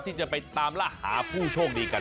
ที่จะไปตามล่าหาผู้โชคดีกัน